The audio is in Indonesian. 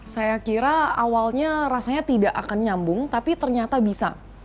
saya kira awalnya rasanya tidak akan nyambung tapi ternyata bisa